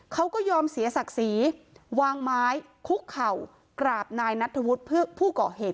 เขาก็ยอมเสียศักดิ์ศรีวางไม้คุกเข่ากราบนายนัทธวุฒิผู้ก่อเหตุ